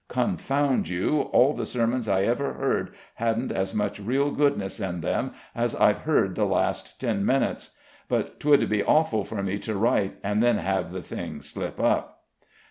Confound you, all the sermons I ever heard hadn't as much real goodness in them as I've heard the last ten minutes! But 'twould be awful for me to write and then have the thing slip up!"